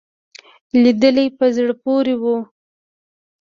لیدلې په زړه پورې وو.